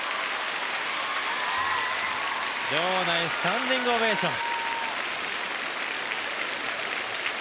場内スタンディングオベーション。